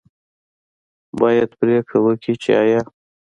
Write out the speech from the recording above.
باید پرېکړه وکړي چې آیا